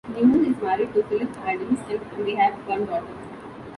Newell is married to Phillip Adams and they have one daughter.